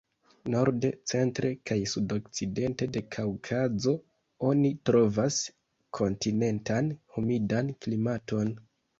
Norde, centre kaj sudokcidente de Kaŭkazo oni trovas kontinentan humidan klimaton.